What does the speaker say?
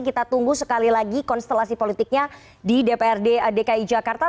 kita tunggu sekali lagi konstelasi politiknya di dprd dki jakarta